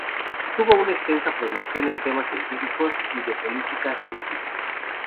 Tuvo una extensa producción en temas científicos y de política científica.